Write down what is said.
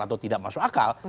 atau tidak masuk akal